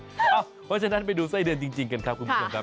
เพราะฉะนั้นไปดูไส้เดือนจริงกันครับคุณผู้ชมครับ